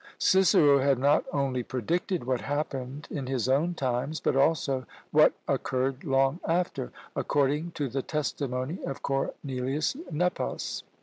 Cicero had not only predicted what happened in his own times, but also what occurred long after, according to the testimony of Cornelius Nepos.